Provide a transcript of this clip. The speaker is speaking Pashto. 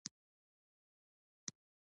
هغه ډوډۍ خوري.